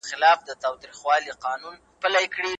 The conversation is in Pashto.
په نولسمه پېړۍ کي نوی فکر پيدا سو.